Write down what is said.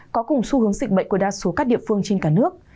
có cùng xu hướng dịch bệnh của đa số các địa phương trên cả nước